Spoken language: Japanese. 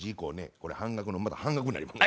これ半額のまた半額になります。